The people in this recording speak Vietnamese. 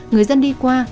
người dân đi qua